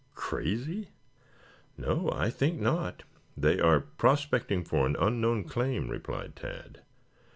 "Crazy?" "No, I think not. They are prospecting for an unknown claim," replied Tad.